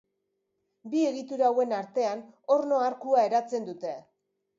Bi egitura hauen artean orno arkua eratzen dute.